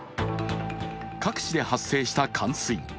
各地で発生した冠水。